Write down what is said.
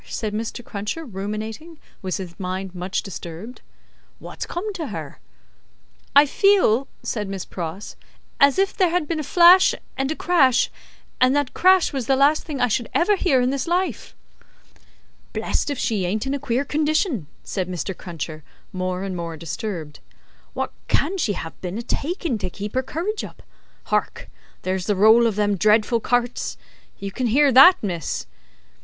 said Mr. Cruncher, ruminating, with his mind much disturbed; "wot's come to her?" "I feel," said Miss Pross, "as if there had been a flash and a crash, and that crash was the last thing I should ever hear in this life." "Blest if she ain't in a queer condition!" said Mr. Cruncher, more and more disturbed. "Wot can she have been a takin', to keep her courage up? Hark! There's the roll of them dreadful carts! You can hear that, miss?"